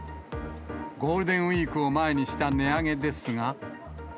ゴールデンウィークを前にした値上げですが。